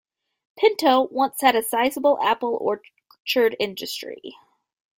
Pinto once had a sizable apple orchard industry.